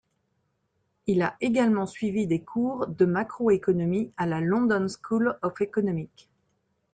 Il a également suivi des cours de macro-économie à la London School of Economics.